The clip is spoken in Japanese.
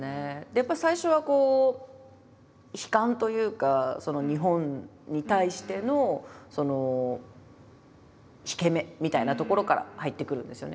やっぱり最初はこう悲観というか日本に対しての引け目みたいなところから入ってくるんですよね。